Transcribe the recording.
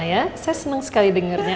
saya senang sekali dengarnya